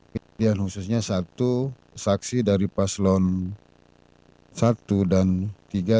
pilihan khususnya satu saksi dari paslon satu dan tiga